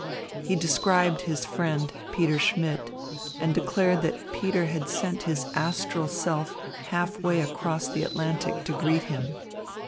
He described his friend, Peter Schmidt, and declared that Peter had sent his astral self half way across the Atlantic to greet him.